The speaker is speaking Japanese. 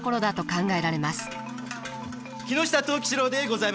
木下藤吉郎でございます。